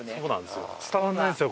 そうなんですよ。